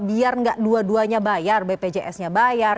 biar nggak dua duanya bayar bpjs nya bayar